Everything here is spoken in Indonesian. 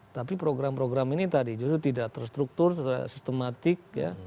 tapi program program ini tadi justru tidak terstruktur sistematik